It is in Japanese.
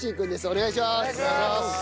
お願いします！